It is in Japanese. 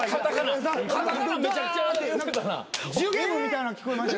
じゅげむみたいなの聞こえました。